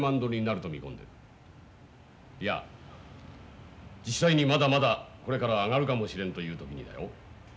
いや実際にまだまだこれから上がるかもしれんという時にだよ